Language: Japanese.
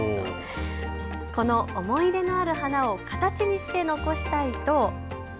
この思い入れのある花を形にして残したいと。